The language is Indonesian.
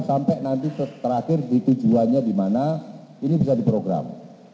sampai nanti terakhir ditujuannya di mana ini bisa diprogram